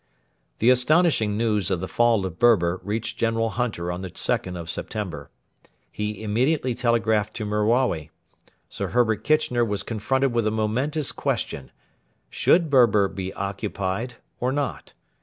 The astonishing news of the fall of Berber reached General Hunter on the 2nd of September. He immediately telegraphed to Merawi. Sir Herbert Kitchener was confronted with a momentous question: should Berber be occupied or not?